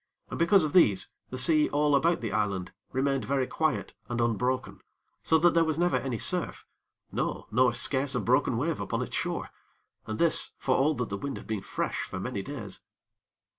And, because of these, the sea all about the island remained very quiet and unbroken, so that there was never any surf, no, nor scarce a broken wave upon its shore, and this, for all that the wind had been fresh for many days.